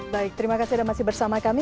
baik terima kasih anda masih bersama kami